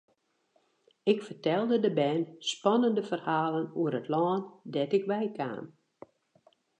Ik fertelde de bern spannende ferhalen oer it lân dêr't ik wei kaam.